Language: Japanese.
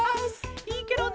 いいケロね。